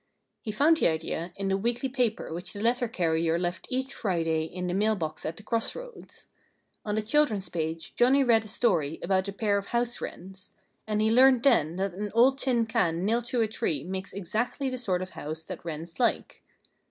He found the idea in the weekly paper which the letter carrier left each Friday in the mail box at the crossroads. On the Children's Page Johnnie read a story about a pair of house wrens. And he learned then that an old tin can nailed to a tree makes exactly the sort of house that wrens like.